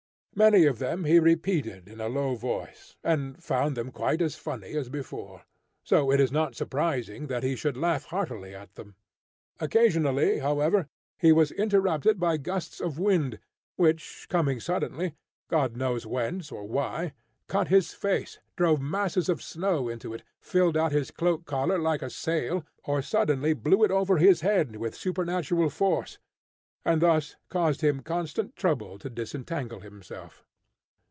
Many of them he repeated in a low voice, and found them quite as funny as before; so it is not surprising that he should laugh heartily at them. Occasionally, however, he was interrupted by gusts of wind, which, coming suddenly, God knows whence or why, cut his face, drove masses of snow into it, filled out his cloak collar like a sail, or suddenly blew it over his head with supernatural force, and thus caused him constant trouble to disentangle himself.